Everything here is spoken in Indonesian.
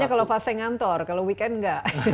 hanya kalau pas saya ngantor kalau weekend enggak